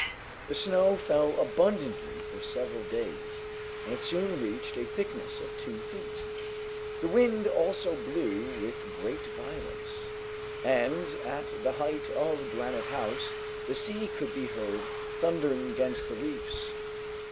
The snow fell abundantly for several days, and it soon reached a thickness of two feet. The wind also blew with great violence, and at the height of Granite House the sea could be heard thundering against the reefs.